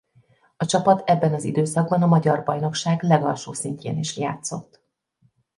A csapat ebben az időszakban a magyar bajnokság legalsó szintjén is játszott.